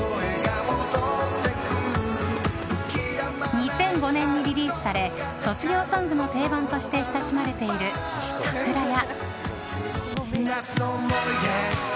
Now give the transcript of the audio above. ２００５年にリリースされ卒業ソングの定番として親しまれている「さくら」や。